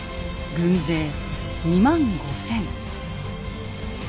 軍勢２万５，０００。